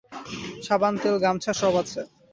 সাবান, তেল, গামছা সব আছে।